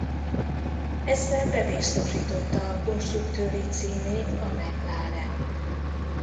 Ezzel bebiztosította a konstruktőri címét a McLaren.